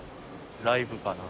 ライブかな。